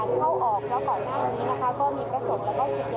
นำข้อมาล็อกประตูทางเข้าประตูหกค่ะที่เรียก